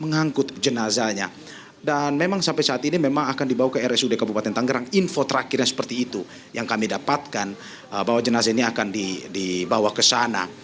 mengangkut jenazahnya dan memang sampai saat ini memang akan dibawa ke rsud kabupaten tanggerang info terakhirnya seperti itu yang kami dapatkan bahwa jenazah ini akan dibawa ke sana